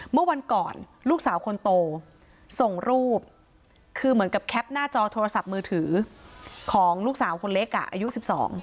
เมื่อวันก่อนลูกสาวคนโตส่งรูปคือเหมือนกับแคปหน้าจอโทรศัพท์มือถือของลูกสาวคนเล็กอ่ะอายุ๑๒